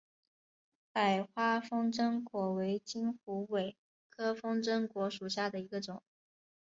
白花风筝果为金虎尾科风筝果属下的一个种。